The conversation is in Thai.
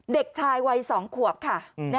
เด็กชายวัย๒ขวบค่ะ